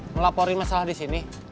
melaporin masalah disini